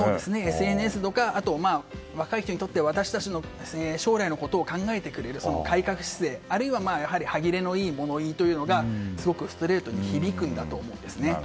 ＳＮＳとか若い人にとっては私たちの将来を考えてくれるその改革姿勢あるいは、歯切れのいい物言いがすごくストレートに響くんだと思うんですね。